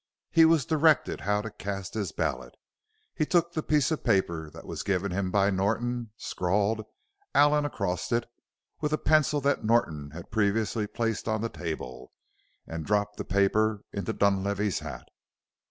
He was directed how to cast his ballot. He took the piece of paper that was given him by Norton, scrawled "Allen" across it with a pencil that Norton had previously placed on the table, and dropped the paper into Dunlavey's hat.